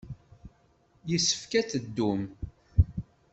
Yessefk ad teddum.